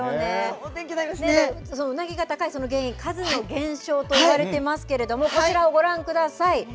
うなぎが高いその原因数の減少と言われていますけれどもこちらをご覧ください。